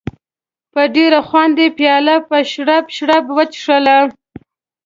په ډېر خوند یې پیاله په شړپ شړپ وڅښله.